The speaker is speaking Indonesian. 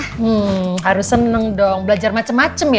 hmm harus seneng dong belajar macem macem ya